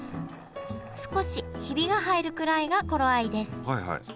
少しヒビが入るくらいが頃合いです。